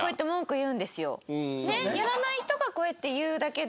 やらない人がこうやって言うだけで。